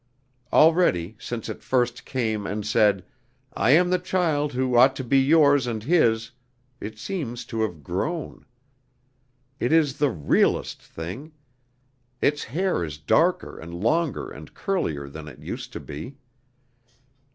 Already, since it first came and said, 'I am the child who ought to be yours and his,' it seems to have grown. It is the realest thing! Its hair is darker and longer and curlier than it used to be.